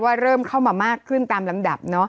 เริ่มเข้ามามากขึ้นตามลำดับ